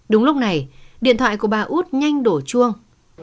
đúng lúc này điện thoại của bà út nhanh đổ chuông